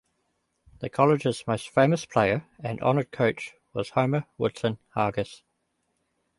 The college's most famous player and honored coach was Homer Woodson Hargiss.